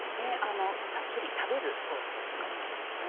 たっぷり食べるソースという感じですね。